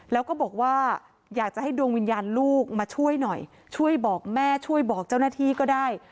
แล้วก็บอกว่าอยากจะให้ดวงวิญญาณลูกมาช่วยหน่อยช่วยบอกแม่ช่วยบอกเจ้าหน้าที่ก็ได้